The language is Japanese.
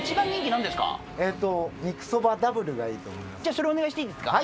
それお願いしていいですか？